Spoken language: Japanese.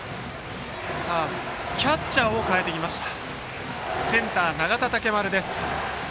キャッチャーを代えてきました。